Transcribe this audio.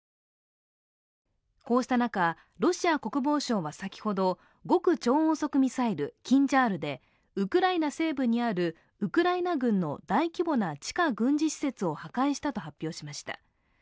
こうした中、ロシア国防省は先ほど極超音速ミサイル、キンジャールでウクライナ西部にあるウクライナ軍の大規模な地下軍事施設を破壊したと発表しました。